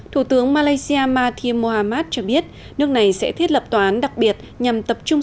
thủ tướng malaysia mahathir mohamad cho biết nước này sẽ thiết lập tòa án đặc biệt nhằm tập trung